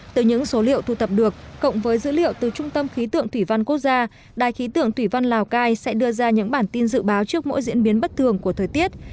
từ những số liệu thu thập được cộng với dữ liệu từ trung tâm khí tượng thủy văn quốc gia đài khí tượng thủy văn lào cai sẽ đưa ra những bản tin dự báo trước mỗi diễn biến bất thường của thời tiết